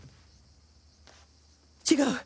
違う！